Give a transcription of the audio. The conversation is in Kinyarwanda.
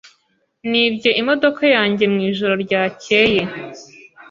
Nibye imodoka yanjye mwijoro ryakeye.